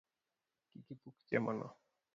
Kik ipuk chiemo no